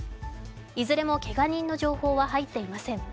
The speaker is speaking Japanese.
いずれもけが人の情報は入っていません。